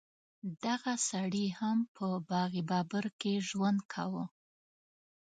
دغه سړي هم په باغ بابر کې ژوند کاوه.